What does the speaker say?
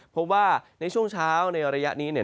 เพราะว่าในช่วงเช้าในระยะนี้เนี่ย